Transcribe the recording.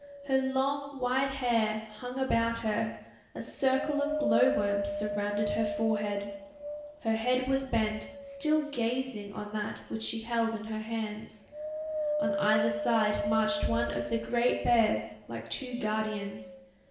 Her long white hair hung about her; a circle of glow worms surrounded her forehead. Her head was bent, still gazing on that which she held in her hand. On either side marched one of the great bears like two guardians.